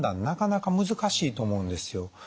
なかなか難しいと思うんですよ。